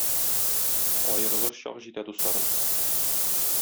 Аерылыр чак җитә, дусларым